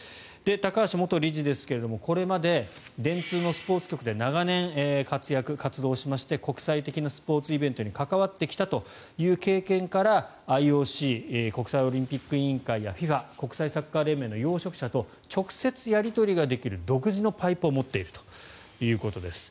高橋元理事ですがこれまで電通のスポーツ局で長年活躍、活動しまして国際的なスポーツイベントに関わってきたという経験からＩＯＣ・国際オリンピック委員会やＦＩＦＡ・国際サッカー連盟の要職者と直接やり取りができる独自のパイプを持っているということです。